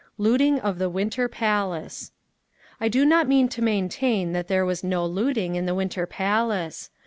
LOOTING OF THE WINTER PALACE I do not mean to maintain that there was no looting, in the Winter Palace.